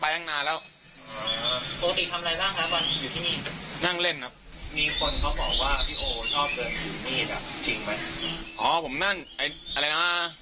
อ๋อผมนั่นอะไรนะตั้งนานไปแล้วผมยังวัยรุ่นอยู่เลย